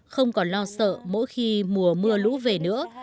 không còn lo sợ mỗi khi mùa mưa lũ về nữa